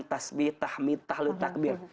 tasbih tahmid tahli takbir